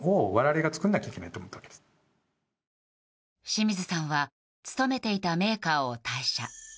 清水さんは勤めていたメーカーを退社。